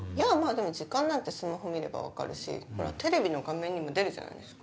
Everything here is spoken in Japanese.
でも時間なんてスマホ見れば分かるしほらテレビの画面にも出るじゃないですか。